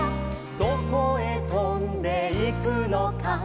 「どこへとんでいくのか」